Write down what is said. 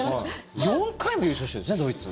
４回も優勝しているんですね、ドイツ。